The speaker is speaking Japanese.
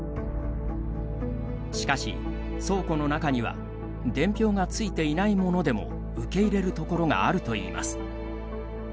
しかし、倉庫の中には伝票がついていないものでも受け入れるところがあるといいます。